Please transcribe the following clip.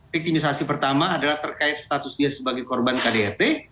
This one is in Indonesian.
victimisasi pertama adalah terkait status dia sebagai korban kdap